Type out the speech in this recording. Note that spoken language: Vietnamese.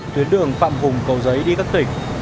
thuyến đường phạm hùng cầu giấy đi các tỉnh